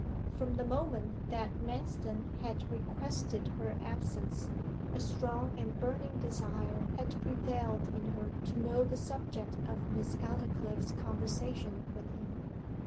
From the moment that Manston had requested her absence, a strong and burning desire had prevailed in her to know the subject of Miss Aldclyffe's conversation with him.